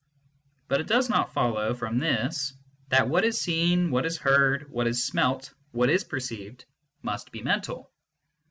But it does not follow from this that what is seen, what is heard, what is smelt, what is perceived, must be mental.